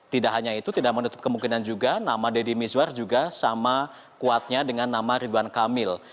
tidak hanya itu tidak menutup kemungkinan juga nama deddy mizwar juga sama kuatnya dengan nama ridwan kamil